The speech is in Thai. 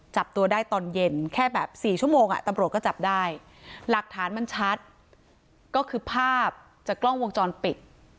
จับตัวได้ตอนเย็นแค่แบบ๔ชั่วโมงตำรวจก็จับได้หลักฐานมันชัดก็คือภาพจากกล้องวงจรปิด